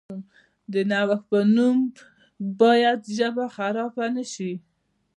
د نوښت په نوم باید ژبه خرابه نشي.